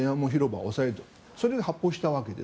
それで発砲したわけです。